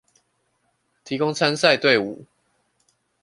提供參賽隊伍